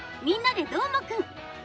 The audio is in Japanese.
「みんなＤＥどーもくん！」。